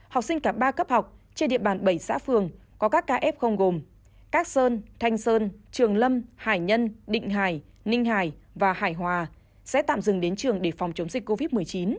học sinh cả ba cấp học trên địa bàn bảy xã phường có các ca f gồm các sơn thanh sơn trường lâm hải nhân định hải ninh hải và hải hòa sẽ tạm dừng đến trường để phòng chống dịch covid một mươi chín